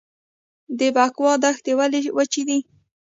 د بکوا دښتې ولې وچې دي؟